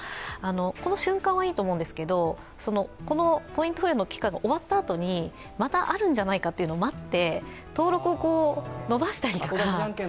この瞬間はいいと思うんですが、ポイント付与の期間が終わったあとにまたあるんじゃないかと待っていて登録を延ばしたりとか。